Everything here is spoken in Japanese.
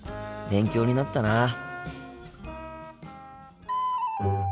勉強になったな。